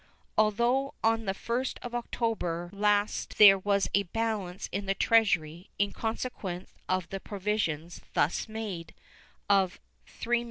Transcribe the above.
Although on the 1st of October last there was a balance in the Treasury, in consequence of the provisions thus made, of $3,914,082.